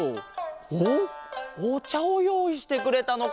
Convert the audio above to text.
おっおちゃをよういしてくれたのか。